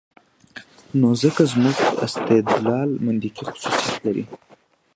نو ځکه زموږ استدلال منطقي خصوصیت لري.